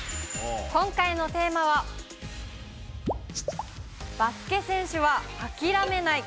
今回のテーマは、バスケ選手は諦めない。